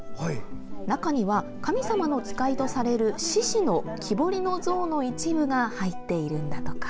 中には神様の使いとされる獅子の木彫りの像の一部が入っているんだとか。